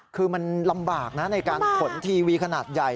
คือมันลำบากนะในการขนทีวีขนาดใหญ่